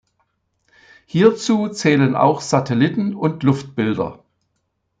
Hierzu zählen auch Satelliten und Luftbilder.